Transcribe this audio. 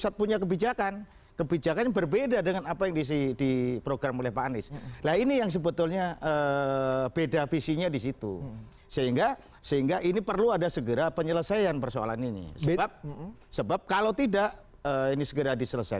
terima kasih terima kasih